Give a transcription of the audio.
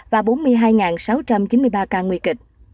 và bốn mươi hai ca tử vong